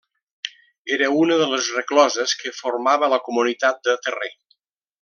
Era una de les recloses que formava la comunitat de Terrer.